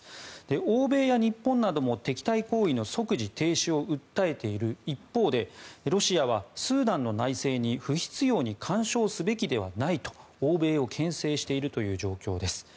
欧米や日本なども敵対行為の即時停止を訴えている一方でロシアはスーダンの内政に不必要に干渉すべきではないと欧米をけん制しているという状況です。